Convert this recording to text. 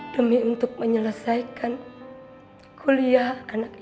demi untuk menyelesaikan kuliah anak ini